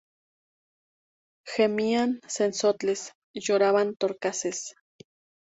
Gemían zenzontles, lloraban torcaces.